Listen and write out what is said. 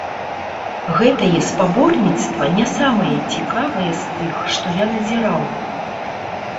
Гэтае спаборніцтва не самае цікавае з тых, што я назіраў.